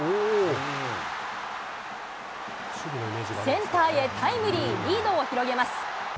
センターへタイムリー、リードを広げます。